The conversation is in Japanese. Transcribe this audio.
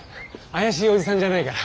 怪しいおじさんじゃないから。